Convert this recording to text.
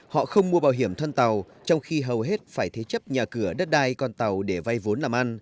họ không mua bảo hiểm thân tàu trong khi hầu hết phải thế chấp nhà cửa đất đai con tàu để vay vốn làm ăn